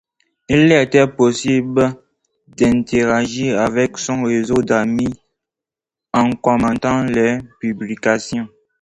Il était possible d'interagir avec son réseau d'amis en commentant leurs publications.